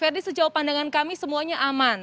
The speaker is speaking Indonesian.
ferdi sejauh pandangan kami semuanya aman